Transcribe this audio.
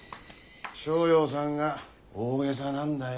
翔洋さんが大げさなんだよ。